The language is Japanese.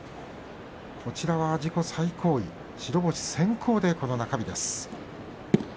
こちらは自己最高位白星先行でこの中日です。